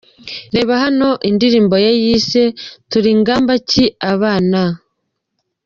Reba hano indirimbo ye yise Tuligambaki abaana?.